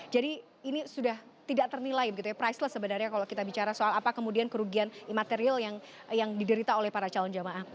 jadi ini sudah tidak ternilai begitu ya priceless sebenarnya kalau kita bicara soal apa kemudian kerugian imaterial yang diderita oleh para calon jemaah